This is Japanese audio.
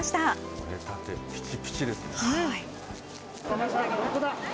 取れたてぴちぴちですね。